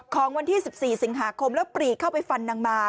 ของวันที่๑๔สิงหาคมแล้วปรีเข้าไปฟันนางมา